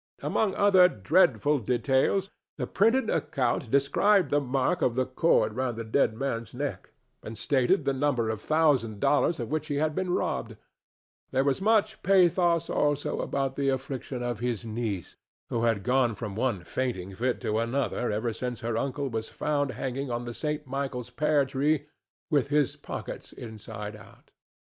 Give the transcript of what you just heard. Among other dreadful details, the printed account described the mark of the cord round the dead man's neck and stated the number of thousand dollars of which he had been robbed; there was much pathos, also, about the affliction of his niece, who had gone from one fainting fit to another ever since her uncle was found hanging on the St. Michael's pear tree with his pockets inside out.